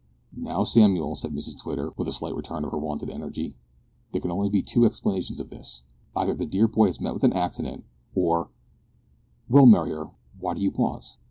"Now, Samuel," said Mrs Twitter, with a slight return of her wonted energy, "there can be only two explanations of this. Either the dear boy has met with an accident, or " "Well, Mariar, why do you pause?"